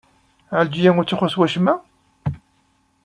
Ɛelǧiya ur tt-ixuṣṣ wacemma?